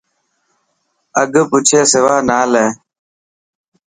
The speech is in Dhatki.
اگھه پوڇي سوانا لي.